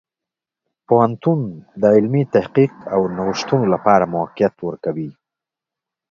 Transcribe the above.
پوهنتون د علمي تحقیق او نوښتونو لپاره موقعیت ورکوي.